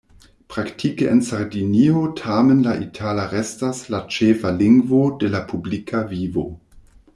Praktike en Sardinio tamen la itala restas la ĉefa lingvo de la publika vivo.